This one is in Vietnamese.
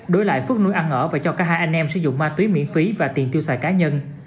đối lại phước nuôi ăn ở và cho cả hai anh em sử dụng ma túy miễn phí và tiền tiêu xài cá nhân